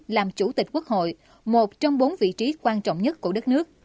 làm chủ tịch quốc hội một trong bốn vị trí quan trọng nhất của đất nước